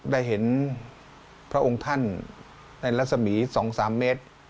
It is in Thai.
ได้เห็นพระองค์ท่านในรัศมี๒๓เมตร